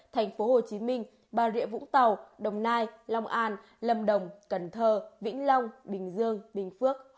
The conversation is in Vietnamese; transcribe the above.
tp hcm bà rịa vũng tàu đồng nai long an lâm đồng cần thơ vĩnh long bình dương bình phước